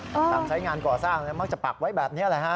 ต่างใช้งานก่อสร้างมักจะปักไว้แบบนี้แหละฮะ